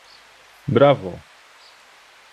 Brawo!